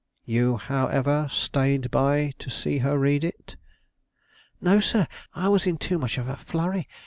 "You, however, stayed by to see her read it?" "No, sir; I was in too much of a flurry.